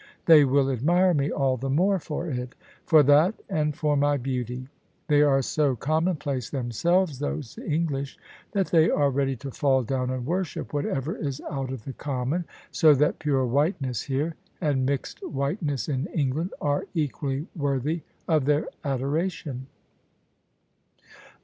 They will admire me all the more for it — for that and for my beauty. They are so common place themselves, those English, that they are ready to fall down and worship whatever is out of the common: so that pure whiteness here and mixed whiteness in England are equally worthy of their adoration."